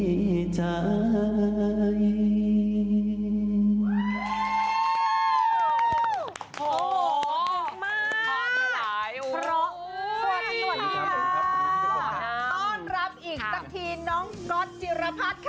ต้อนรับอีกจากทีน้องกรอดจิรพภัทธ์ค่ะ